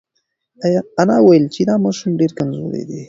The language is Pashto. انا وویل چې دا ماشوم ډېر کمزوری دی.